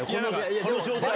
この状態で。